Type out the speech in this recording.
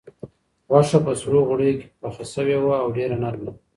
غوښه په سرو غوړیو کې پخه شوې وه او ډېره نرمه وه.